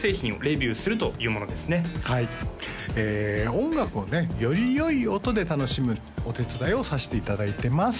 音楽をねよりよい音で楽しむお手伝いをさしていただいてます